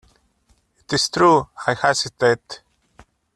It is true I hesitate.